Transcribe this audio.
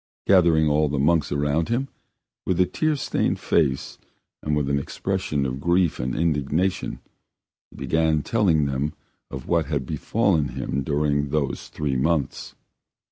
Gathering all the monks around him, with a tear stained face and with an expression of grief and indignation, he began telling them of what had befallen him during those three months.